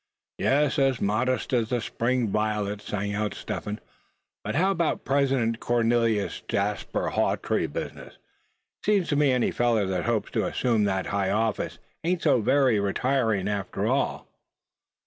"Yes, as modest as a spring violet," sang out Step Hen; "but how about that President Cornelius Jasper Hawtree business? Seems to me any feller that hopes to assume that high office ain't so very retiring after all."